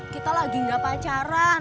kita lagi gak pacaran